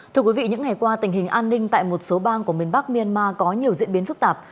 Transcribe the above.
thưa quý vị những ngày qua tình hình an ninh tại một số bang của miền bắc myanmar có nhiều diễn biến phức tạp